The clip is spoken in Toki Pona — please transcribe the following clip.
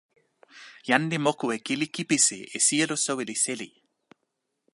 jan li moku e kili kipisi e sijelo soweli seli.